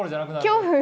恐怖！